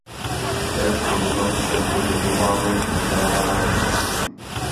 K této problematice vytvořil globálně uznávané centrum.